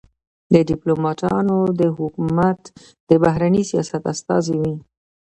ډيپلوماټان د حکومت د بهرني سیاست استازي وي.